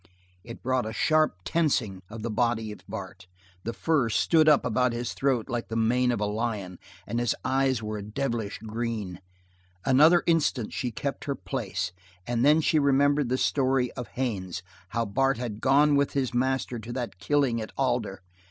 It brought a sharp tensing of the body of Bart the fur stood up about his throat like the mane of a lion, and his eyes were a devilish green. Another instant she kept her place, and then she remembered the story of Haines how Bart had gone with his master to that killing at Alder.